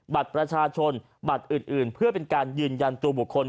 บัตรประชาชนบัตรอื่นเพื่อเป็นการยืนยันตัวบุคคล